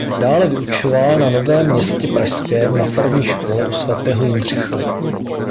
Dále vyučoval na Novém Městě pražském na farní škole u svatého Jindřicha.